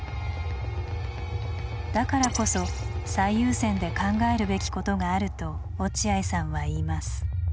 だからこそ最優先で考えるべきことがあると落合さんは言います。